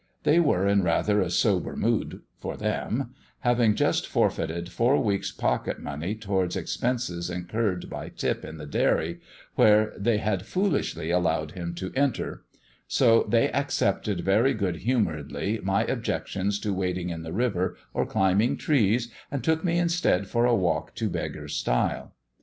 They were in rather a sober mood for them, having just forfeited four weeks' pocket money towards expenses incurred by Tip in the dairy, where they had foolishly allowed him to enter; so they accepted very good humouredly my objections to wading in the river or climbing trees, and took me instead for a walk to Beggar's Stile.